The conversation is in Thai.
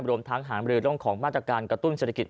รวมทั้งหามรือเรื่องของมาตรการกระตุ้นเศรษฐกิจ